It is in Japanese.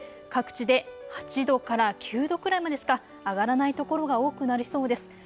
各地で８度から９度くらいまでしか上がらないところが多くなりそうです。